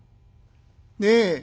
ねえ。